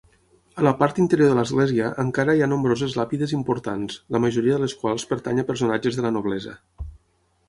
A la part interior de l'església encara hi ha nombroses làpides importants, la majoria de les quals pertany a personatges de la noblesa.